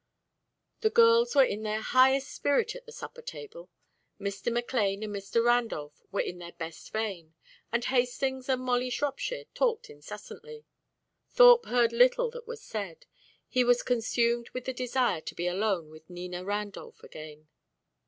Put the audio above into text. The girls were in their highest spirit at the supper table. Mr. McLane and Mr. Randolph were in their best vein, and Hastings and Molly Shropshire talked incessantly. Thorpe heard little that was said; he was consumed with the desire to be alone with Nina Randolph again.